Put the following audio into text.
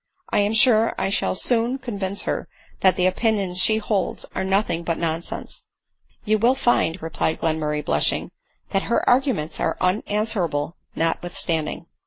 I am sure I shall soon con vince her that the opinions she holds are nothing but nonsense." •' You will find," replied Glenmurray, blushing, " that her arguments are unanswerable notwithstanding."